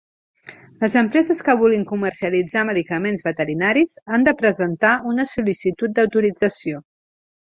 Les empreses que vulguin comercialitzar medicaments veterinaris han de presentar una sol·licitud d'autorització.